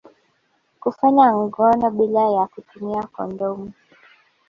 Kufanya ngono bila ya kutumia kondomu